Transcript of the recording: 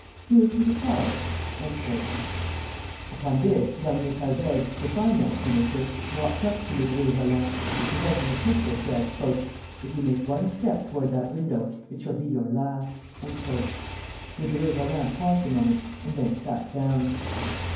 Do you wish me to try it?" Upon this, Garnier Pagès, the Finance Minister, walked up to Ledru Rollin, and presenting a pistol, said: "If you make one step toward that window, it shall be your last." Ledru Rollin paused a moment, and then sat down.